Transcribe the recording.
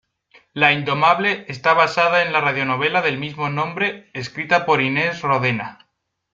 La Indomable está basada en la Radionovela del mismo nombre escrita por Ines Rodena.